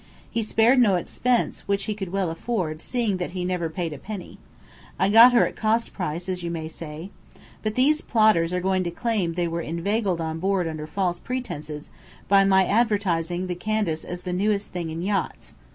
He spared no expense, which he could well afford, seeing that he never paid a penny. I got her at cost price, as you may say. But these plotters are going to claim that they were inveigled on board under false pretences, by my advertising the Candace as the newest thing in yachts.